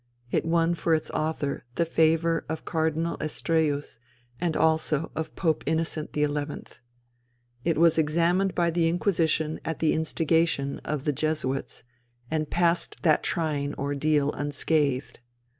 It won for its author the favour of Cardinal Estraeus and also of Pope Innocent XI. It was examined by the Inquisition at the instigation of the Jesuits, and passed that trying ordeal unscathed.